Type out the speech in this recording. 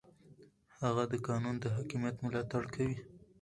هغه د قانون د حاکمیت ملاتړ کوي.